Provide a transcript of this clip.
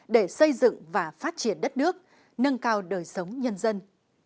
để xây dựng và phát triển đất nước nâng cao đời sống nhân dân